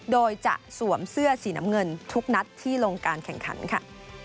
โดยจะสวมเสื้อสีน้ำเงินทุกนัดที่ลงการแข่งขันค่ะ